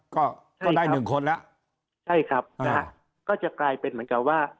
ก็ก็ได้หนึ่งคนแล้วใช่ครับนะฮะก็จะกลายเป็นเหมือนกับว่า